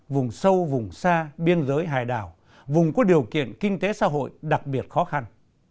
vùng sâu vùng xa biên giới hải đảo vùng có điều kiện kinh tế xã hội đặc biệt khó khăn